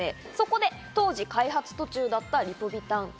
そこで当時、開発途中だったリポビタンＪＥＬＬＹ。